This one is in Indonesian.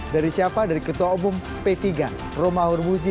dari siapa dari ketua umum p tiga romahur muzi